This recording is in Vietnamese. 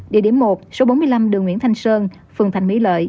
địa điểm một số bốn mươi năm đường nguyễn thanh sơn phường thành mỹ lợi